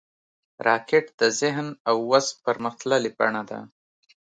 راکټ د ذهن او وس پرمختللې بڼه ده